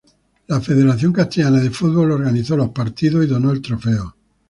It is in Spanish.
La Federación Castellana de Fútbol organizó los partidos y donó el trofeo.